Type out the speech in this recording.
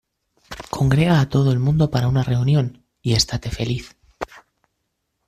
Congrega a todo el mundo para una reunión, y estate feliz.